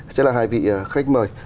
sẽ là hai vị khách mời